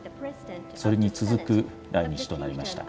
それに続く来日となりました。